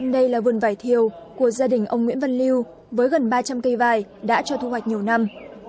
đây là vườn vải thiều của gia đình ông nguyễn văn liêu với gần ba trăm linh cây vải đã cho thu hoạch nhiều năm